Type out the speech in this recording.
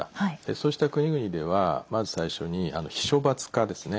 そうした国々ではまず最初に非処罰化ですね。